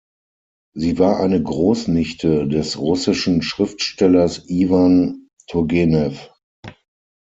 Sie war eine Großnichte des russischen Schriftstellers Iwan Turgenew.